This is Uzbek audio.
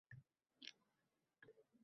sogʼinch koʼz yoshiday boloxonadan